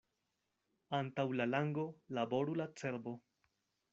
Antaŭ la lango laboru la cerbo.